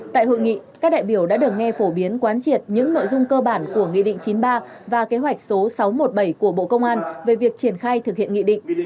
tại hội nghị các đại biểu đã được nghe phổ biến quán triệt những nội dung cơ bản của nghị định chín mươi ba và kế hoạch số sáu trăm một mươi bảy của bộ công an về việc triển khai thực hiện nghị định